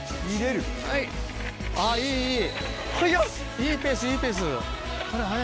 いいペースいいペース。